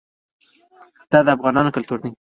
دا د افغانانو کلتور دی.